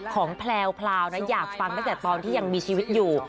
ของแพลวอยากฟังได้จากตอนที่ยังมีชีวิตอยู่